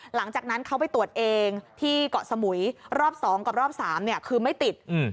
หลังจากนั้นเขาไปตรวจเองที่เกาะสมุยรอบสองกับรอบสามเนี้ยคือไม่ติดอืม